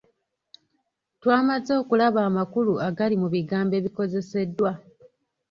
Twamaze okulaba amakulu agali mu bigambo ebikozeseddwa.